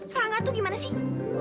rangga tuh gimana sih